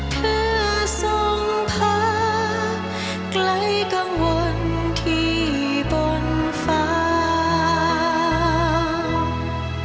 เพื่อส่งพาไกลกังวลที่บนฟ้า